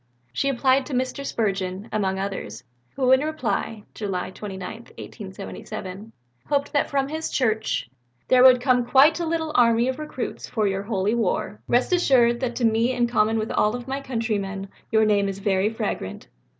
She applied to Mr. Spurgeon, among others, who in reply (July 29, 1877) hoped that from his church "there would come quite a little army of recruits for your holy war. Rest assured that to me in common with all my country men your name is very fragrant."